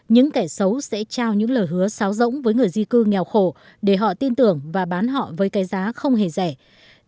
những kẻ xấu sẽ trao những lời hứa xáo rỗng với người di cư nghèo khổ để họ tin tưởng và bán họ với cái giá không hề rẻ